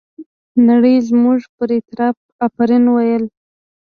نړۍ زموږ پر اعتراف افرین وویل.